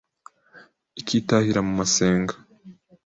Ikitahira mu masenga